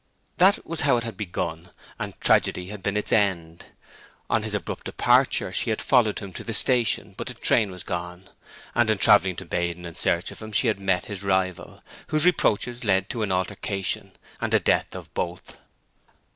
That was how it had begun, and tragedy had been its end. On his abrupt departure she had followed him to the station but the train was gone; and in travelling to Baden in search of him she had met his rival, whose reproaches led to an altercation, and the death of both.